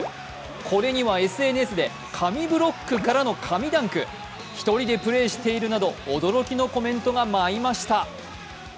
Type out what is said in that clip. これにはＳＮＳで神ブロックからの神ダンク、１人でプレーしているなど、驚きのコメントが舞いました。